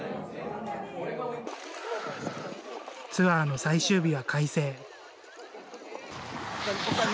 ツアーの最終日は快晴。